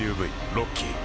ロッキー